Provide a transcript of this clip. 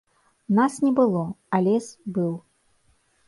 Нас не было, а лес быў.